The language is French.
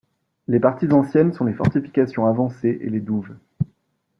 Les parties anciennes sont les fortifications avancées et les douves.